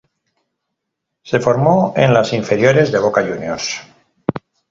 Se formó en las inferiores de Boca Juniors.